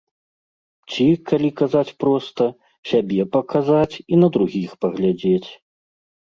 Ці, калі казаць проста, сябе паказаць і на другіх паглядзець.